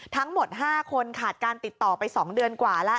ทั้งหมด๕คนขาดการติดต่อไป๒เดือนกว่าแล้ว